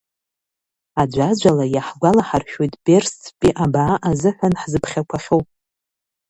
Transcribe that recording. Аӡәаӡәала иаҳгәалаҳаршәоит Бресттәи абаа азыҳәан ҳзыԥхьақәахьоу.